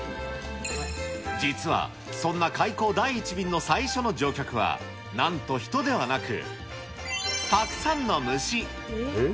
実はそんな開港第１便の最初の乗客は、なんと人ではなく、たくさんの虫。